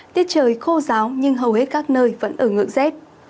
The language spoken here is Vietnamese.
tiết trời khô ráo nhưng hầu hết các nơi vẫn ở ngưỡng rét